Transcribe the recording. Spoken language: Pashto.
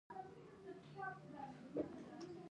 خو له دې مخکې دوه نورې خبرې کوم.